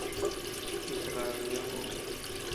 Ita ranku ñoʼo kó.